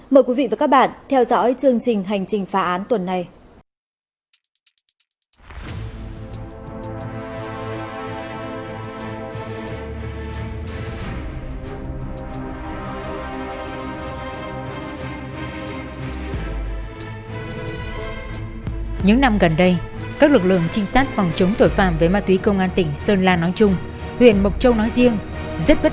mời quý vị và các bạn theo dõi chương trình hành trình phá án tuần này